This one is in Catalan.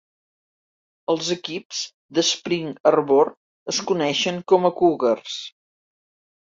Els equips d'Spring Arbor es coneixen com a Cougars.